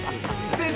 先生！